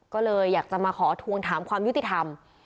ก็เลยอยากจะมาขอทวงถามความยุติธรรม